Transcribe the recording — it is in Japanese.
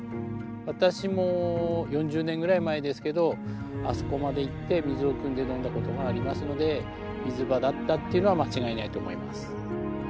私も４０年ぐらい前ですけどあそこまで行って水をくんで飲んだことがありますので水場だったというのは間違いないと思います。